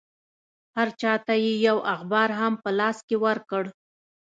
هر چا ته یې یو اخبار هم په لاس کې ورکړ.